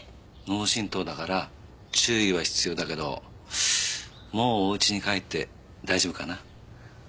脳振盪だから注意は必要だけどもうお家に帰って大丈夫かな。